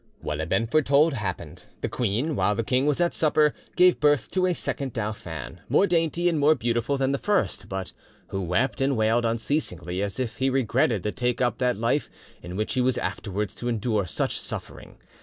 "'What had been foretold happened: the queen, while the king was at supper, gave birth to a second dauphin, more dainty and more beautiful than the first, but who wept and wailed unceasingly, as if he regretted to take up that life in which he was afterwards to endure such suffering.